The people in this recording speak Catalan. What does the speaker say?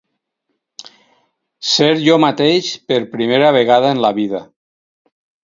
Ser jo mateix per primera vegada en la vida.